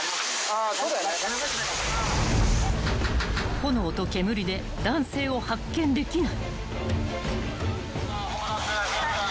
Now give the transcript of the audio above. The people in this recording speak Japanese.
［炎と煙で男性を発見できない］